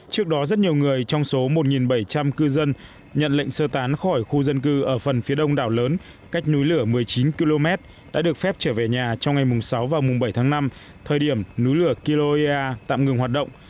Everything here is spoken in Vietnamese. trước đó rất nhiều người trong số một bảy trăm linh cư dân nhận lệnh sơ tán khỏi khu dân cư ở phần phía đông đảo lớn cách núi lửa một mươi chín km đã được phép trở về nhà trong ngày mùng sáu và mùng bảy tháng năm thời điểm núi lửa kiloia tạm ngừng hoạt động